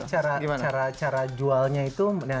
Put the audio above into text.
ya itulah cara jualnya itu